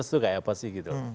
itu seperti apa sih